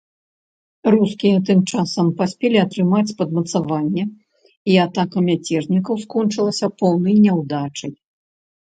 Рускія тым часам паспелі атрымаць падмацаванне, і атака мяцежнікаў скончылася поўнай няўдачай.